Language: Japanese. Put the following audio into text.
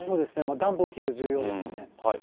暖房器具重要ですね。